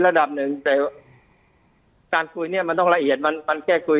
ระดับหนึ่งแต่การคุยเนี่ยมันต้องละเอียดมันมันแค่คุย